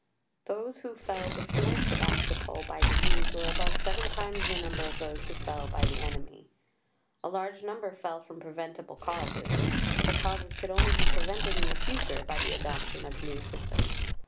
Those who fell before Sebastopol by disease were above seven times the number of those who fell by the enemy. A large number fell from preventable causes; but the causes could only be prevented in the future by the adoption of new systems.